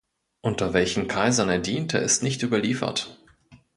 Unter welchen Kaisern er diente, ist nicht überliefert.